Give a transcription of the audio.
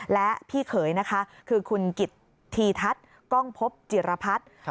และพี่เขยนะคะคือคุณกิจธีทัศน์กล้องพบจิรพัฒน์